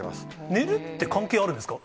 寝るって関係あるんですか？